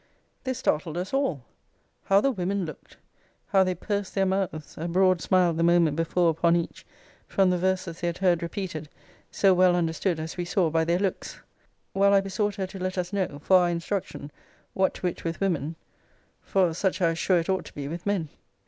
This startled us all: How the women looked! How they pursed their mouths; a broad smile the moment before upon each, from the verses they had heard repeated, so well understood, as we saw, by their looks! While I besought her to let us know, for our instruction, what wit with women: for such I was sure it ought to be with men.